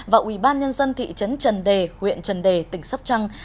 và ủy ban nhân dân thị trấn trần đề huyện trần đề tỉnh sóc trăng